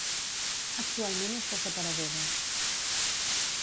Actualment és desapareguda.